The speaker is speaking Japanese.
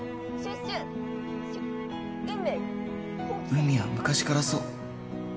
うみは昔からそう